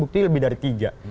bukti lebih dari tiga